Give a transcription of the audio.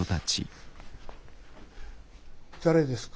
誰ですか？